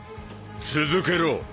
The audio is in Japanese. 続けろ。